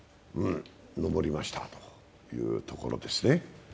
登りましたというところですね。